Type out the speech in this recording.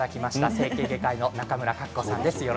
整形外科医の中村格子さんです。